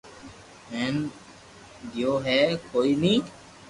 ھي ھين گيو ھي ڪوئي ني